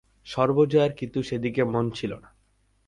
সর্বজয়ার কিন্তু সেদিকে মন ছিল না।